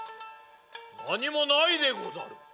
何もないでござる。